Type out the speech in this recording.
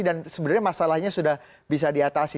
dan sebenarnya masalahnya sudah bisa diatasi